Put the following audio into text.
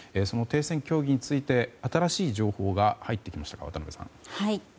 その停戦協議について新しい情報が入ってきました渡辺さん。